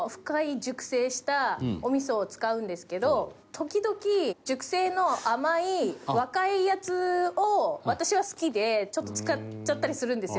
時々熟成の甘い若いやつを私は好きでちょっと使っちゃったりするんですよ。